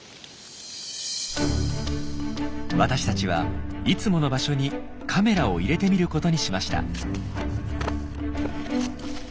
私たちはいつもの場所にカメラを入れてみることにしました。